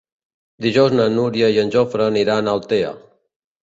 Dijous na Núria i en Jofre aniran a Altea.